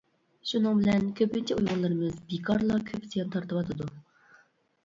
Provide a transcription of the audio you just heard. شۇنىڭ بىلەن كۆپىنچە ئۇيغۇرلىرىمىز، بىكارلا كۆپ زىيان تارتىۋاتىدۇ.